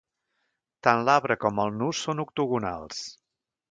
Tant l'arbre com el nus són octogonals.